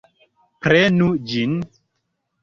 Prenu ĝin!